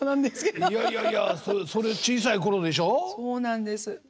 そうなんです。